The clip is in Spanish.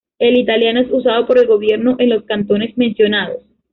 El italiano es usado por el gobierno en los cantones mencionados.